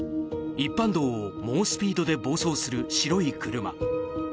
一般道を猛スピードで暴走する白い車。